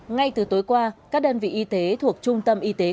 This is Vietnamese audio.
ngay từ tối qua các đơn vị y tế thuộc trung tâm y tế của đà sơn